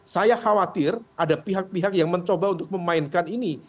saya khawatir ada pihak pihak yang mencoba untuk memainkan ini